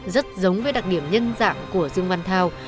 rất giống với đặc điểm nhân dạng của dương văn thao